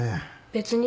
別に。